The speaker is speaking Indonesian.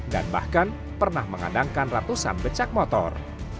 dan bahkan pernah mengandangkan ratusan becak motor